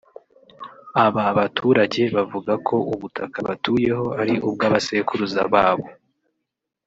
Aba baturage bavuga ko ubutaka batuyeho ari ubw’abasekuruza babo